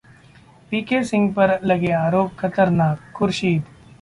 VK Singh पर लगे आरोप खतरनाक: खुर्शीद